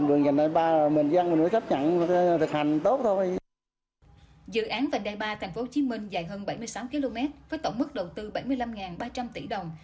dự án vành đai ba tp hcm dài hơn bảy mươi sáu km với tổng mức đầu tư bảy mươi năm ba trăm linh tỷ đồng